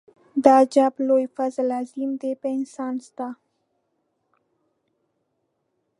دا عجب لوی فضل عظيم دی په انسان ستا.